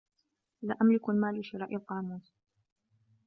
لا أملك المال لشراء القاموس.